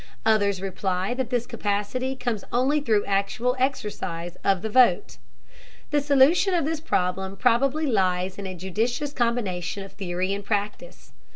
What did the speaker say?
Others reply that this capacity comes only through actual exercise of the vote. The solution of this problem probably lies in a judicious combination of theory and practice.